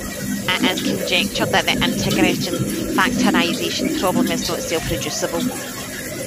It is conjectured that the integer factorization problem is not self-reducible.